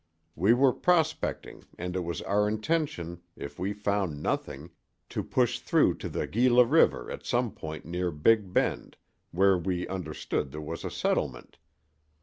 We were prospecting and it was our intention, if we found nothing, to push through to the Gila river at some point near Big Bend, where we understood there was a settlement.